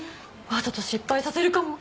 わざと失敗させるかも！